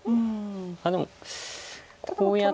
あっでもこうやって。